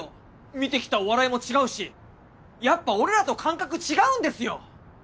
見てきたお笑いも違うしやっぱ俺らと感覚違うんですよ！